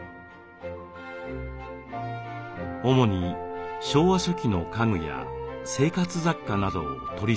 主に昭和初期の家具や生活雑貨などを取りそろえています。